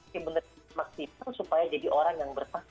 tapi maksimal supaya jadi orang yang bersafah